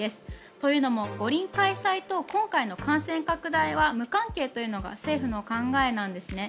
というのも五輪開催と今回の感染拡大は無関係というのが政府の考えなんですね。